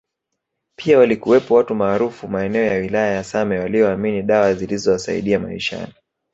Pia walikuwepo watu maarufu maeneo ya wilaya ya same walioamini dawa zilizowasaidia maishani